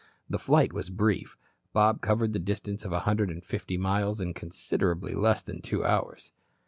The flight was brief. Bob covered the distance of 150 miles in considerably less than two hours.